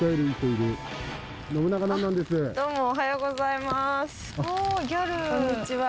どうもおはようございます。